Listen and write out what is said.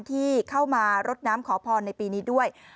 ที่เข้ามารดน้ำขอพรในปีนี้ด้วย